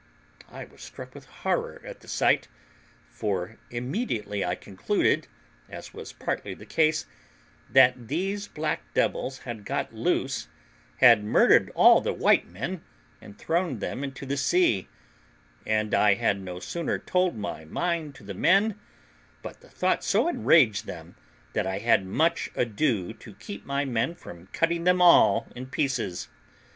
I was struck with horror at the sight; for immediately I concluded, as was partly the case, that these black devils had got loose, had murdered all the white men, and thrown them into the sea; and I had no sooner told my mind to the men, but the thought so enraged them that I had much ado to keep my men from cutting them all in pieces.